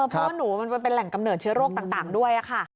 เพราะว่าหนูมันเป็นแหล่งกำเนิดเชื้อโรคต่างด้วยค่ะ